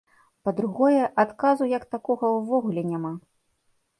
Па-другое, адказу як такога ўвогуле няма.